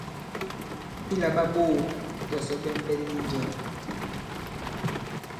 Bi làɓa ɓoō tɔ̀sɔ ɓɛ̀nɓɛ̀n nì njɛ̀w.